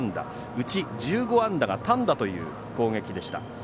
うち１５安打が単打という攻撃でした。